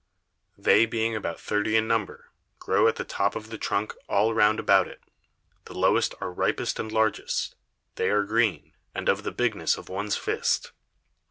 They being about thirty in number, grow at the top of the Trunk all round about it; the lowest are ripest and largest, they are green, and of the bigness of one's Fist.